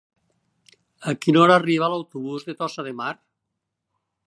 A quina hora arriba l'autobús de Tossa de Mar?